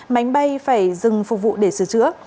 máy bay phải dừng phục vụ để sửa chữa